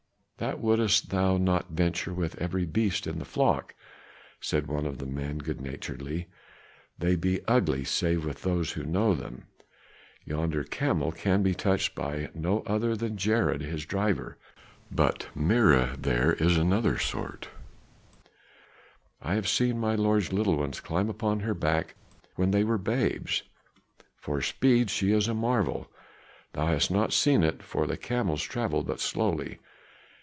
"That wouldst thou not venture with every beast in the flock," said one of the men good naturedly. "They be ugly save with those who know them. Yonder camel can be touched by no other save Jered, his driver; but Mirah there is of another sort; I have seen my lord's little ones climb upon her back when they were babes. For speed she is a marvel; thou hast not seen it, for the camels travel but slowly."